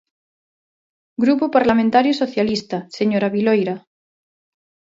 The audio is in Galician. Grupo Parlamentario Socialista, señora Viloira.